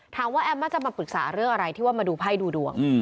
แอมมักจะมาปรึกษาเรื่องอะไรที่ว่ามาดูไพ่ดูดวง